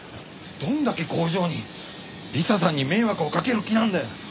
どんだけ工場に理彩さんに迷惑をかける気なんだよ。